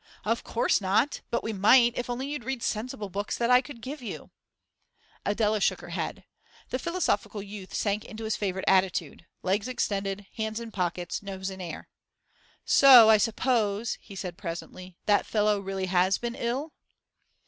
'Of course not, but we might, if only you'd read sensible books that I could give you.' Adela shook her head. The philosophical youth sank into his favourite attitude legs extended, hands in pockets, nose in air. 'So, I suppose,' he said presently, 'that fellow really has been ill?